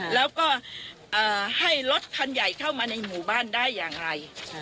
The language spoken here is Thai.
แล้วก็ให้รถคันใหญ่เข้ามาในหมู่บ้านได้อย่างไร